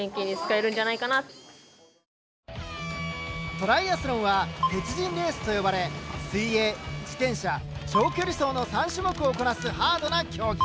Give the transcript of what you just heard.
トライアスロンは鉄人レースと呼ばれ水泳自転車長距離走の３種目をこなすハードな競技。